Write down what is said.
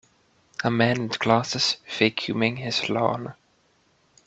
A man with glasses vacuuming his lawn.